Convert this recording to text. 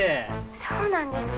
そうなんですか？